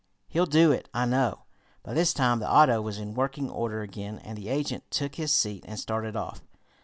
He'll do it, I know." By this time the auto was in working order again, and the agent took his seat and started off.